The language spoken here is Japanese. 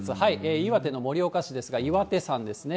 岩手の盛岡市ですが、岩手山ですね。